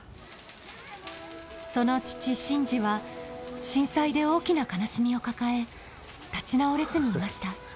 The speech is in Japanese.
その父新次は震災で大きな悲しみを抱え立ち直れずにいました。